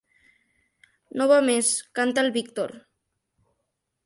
No va més —canta el Víctor.